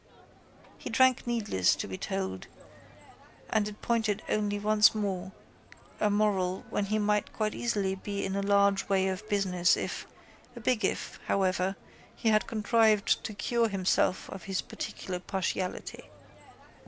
He drank needless to be told and it pointed only once more a moral when he might quite easily be in a large way of business if—a big if, however—he had contrived to cure himself of his particular partiality.